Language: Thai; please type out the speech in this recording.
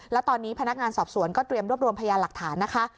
แล้วตอนนี้พนักงานสอบสวนก็เตรียมรวบรวมพยานหลักฐานนะคะ